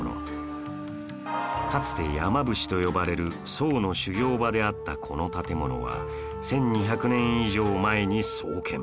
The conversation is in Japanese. かつて山伏と呼ばれる僧の修行場であったこの建物は１２００年以上前に創建